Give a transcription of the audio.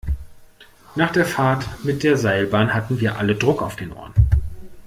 Nach der Fahrt mit der Seilbahn hatten wir alle Druck auf den Ohren.